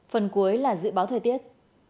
phần cuối là dự báo thời tiết